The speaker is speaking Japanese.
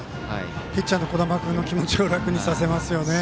ピッチャーの小玉君の気持ちを楽にさせますよね。